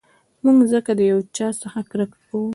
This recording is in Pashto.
موږ ځکه د یو چا څخه کرکه کوو.